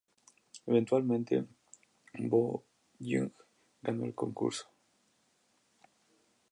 Eventualmente, Bo-hyung ganó el concurso.